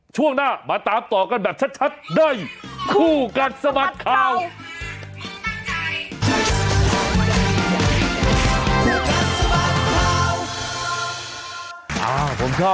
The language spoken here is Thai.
ช่วงหน้ามาตามต่อกันแบบชัดชัดได้คู่กันสมัครข่าวคู่กันสมัครข่าว